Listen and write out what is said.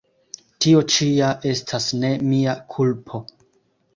Tio ĉi ja estas ne mia kulpo!